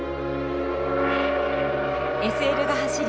ＳＬが走り